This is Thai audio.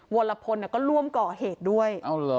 วรพลก็ร่วมก่อเหตุด้วย